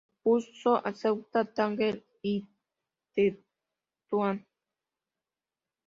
Expuso en Ceuta, Tánger y Tetuán.